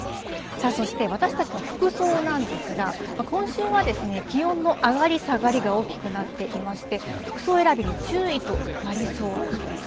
そして私たちの服装なんですが、今週はですね、気温の上がり下がりが大きくなっていまして、服装選びに注意となりそうなんです。